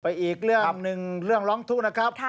ไปอีกเรื่องร้องทุกค์นะครับ